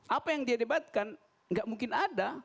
apa yang dia debatkan nggak mungkin ada